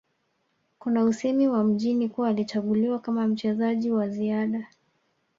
Kuna usemi wa mjini kuwa alichaguliwa kama mchezaji wa ziada